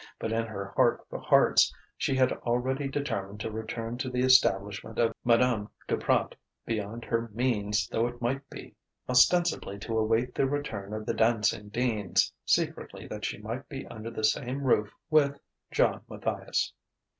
But in her heart of hearts she had already determined to return to the establishment of Madame Duprat, beyond her means though it might be, ostensibly to await the return of the Dancing Deans, secretly that she might be under the same roof with John Matthias.